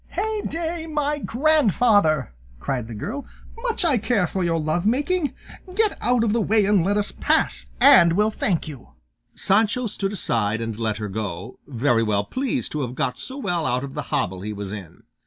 "Hey day! My grandfather!" cried the girl, "much I care for your love making! Get out of the way and let us pass, and we'll thank you." Sancho stood aside and let her go, very well pleased to have got so well out of the hobble he was in.